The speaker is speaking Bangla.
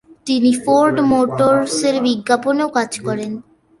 তিনি ফোর্ড মোটর্সের বিজ্ঞাপনেও কাজ করেছেন।